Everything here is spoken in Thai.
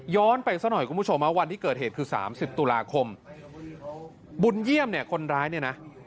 ไปซะหน่อยคุณผู้ชมวันที่เกิดเหตุคือ๓๐ตุลาคมบุญเยี่ยมเนี่ยคนร้ายเนี่ยนะ